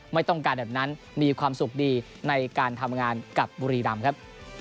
ไม่ต้องการแบบนั้นมีความสุขดีในการทำงานกับบุรีรำครับ